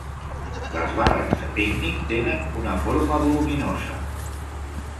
Les barres de pícnic tenen una forma voluminosa.